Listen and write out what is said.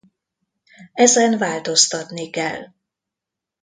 Ezen változtatni kell.